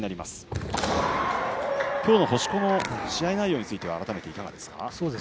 今日の星子の試合内容について改めていかがですか？